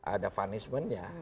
ada punishment nya